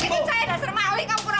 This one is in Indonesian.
bikin saya dasar maling kamu kurang ada